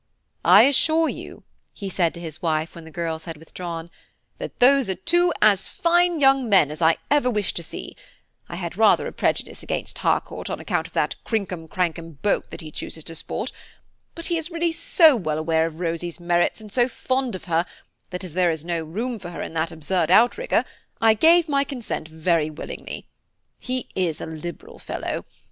"I assure you," he said to his wife, when the girls had withdrawn, "that those are two as fine young men as I ever wish to see; I had rather a prejudice against Harcourt on account of that crinkum crankum boat that he chooses to sport; but he is really so well aware of Rosy's merits and so fond of her that, as there is no room for her in that absurd outrigger, I gave my consent very willingly. He is a liberal fellow.